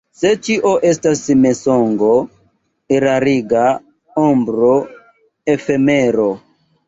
Se ĉio estas mensogo, erariga ombro, efemero.